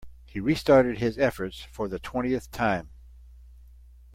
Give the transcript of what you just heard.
He restarted his efforts for the twentieth time.